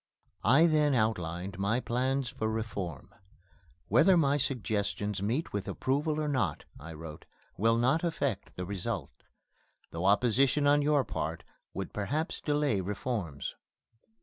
I then outlined my plans for reform: "Whether my suggestions meet with approval or not," I wrote, "will not affect the result though opposition on your part would perhaps delay reforms.